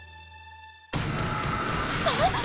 あっ！